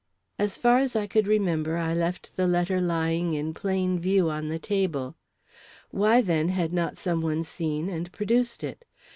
As far as I could remember, I left the letter lying in plain view on the table. Why, then, had not some one seen and produced it?